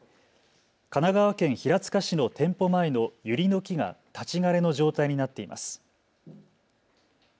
神奈川県平塚市の店舗前のユリノキが立ち枯れの状態になっています。